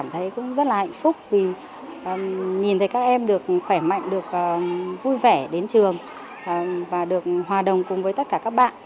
cũng rất là hạnh phúc vì nhìn thấy các em được khỏe mạnh được vui vẻ đến trường và được hòa đồng cùng với tất cả các bạn